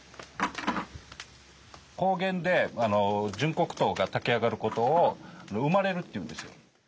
方言で純黒糖が炊き上がる事を「生まれる」っていうんですよ。